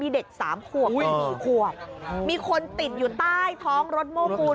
เด็กสามขวบเป็น๔ขวบมีคนติดอยู่ใต้ท้องรถโม้ปูน